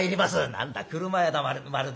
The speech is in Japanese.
「何だ車屋だまるで」。